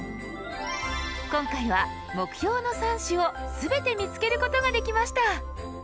今回は目標の３種を全て見つけることができました。